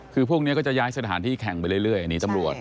คือพวกนี้ก็จะย้ายสถานที่แข่งไปเรื่อย